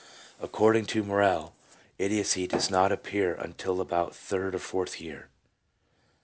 ... Accord ing to Morel, idiocy does not appear until about the third or fourth year."